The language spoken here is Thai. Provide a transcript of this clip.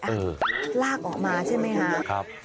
ลากออกมาใช่ไหมคะครับ